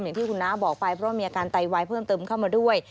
อย่างที่คุณน้าบอกไปเพราะมีอาการไตวายเพิ่มเติมเข้ามาด้วย